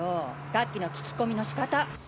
さっきの聞き込みの仕方。